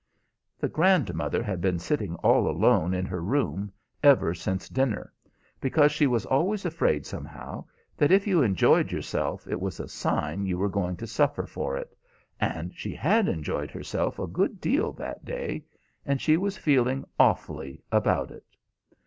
"The grandmother had been sitting all alone in her room ever since dinner; because she was always afraid somehow that if you enjoyed yourself it was a sign you were going to suffer for it, and she had enjoyed herself a good deal that day, and she was feeling awfully about it.